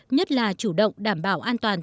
nhất là chủ động đảm bảo an toàn